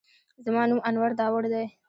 زما نوم انور داوړ دی